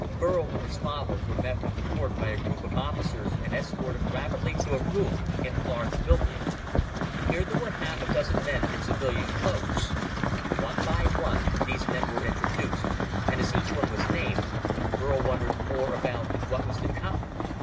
Burl and his father were met at the port by a group of officers and escorted rapidly to a room in a large building. Here there were half a dozen men in civilian clothes. One by one, these men were introduced, and as each one was named, Burl wondered more about what was to come.